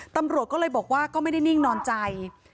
ตำรวจก็เลยบอกว่าก็ไม่ได้นิ่งนอนใจ